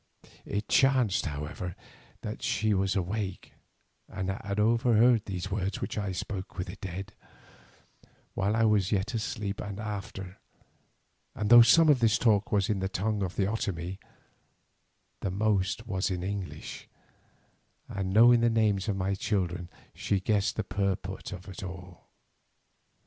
It chanced, however, that she was awake, and had overheard those words which I spoke with the dead, while I was yet asleep and after; and though some of this talk was in the tongue of the Otomie, the most was English, and knowing the names of my children she guessed the purport of it all.